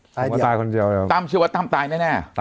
ต้องไปตายคนเดียวต้มชื่อว่าต้่ำตายแน่